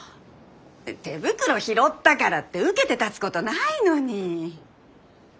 手袋拾ったからって受けて立つことないのに。